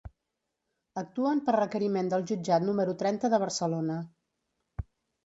Actuen per requeriment del jutjat número trenta de Barcelona.